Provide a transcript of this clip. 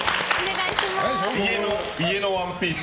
家のワンピース。